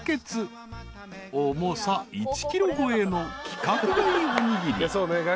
［重さ１ｋｇ超えの規格外おにぎり］